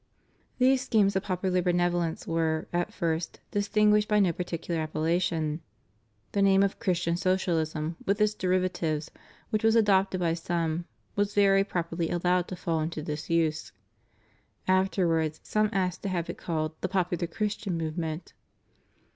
These schemes of popular benevolence were, at fi st, distinguished by no particular appellation. The name of Christian Socialism with its derivatives which was adopted by some was very properly allowed to fall into disuse. Afterwards some asked to have it called The Popular Christian Movement.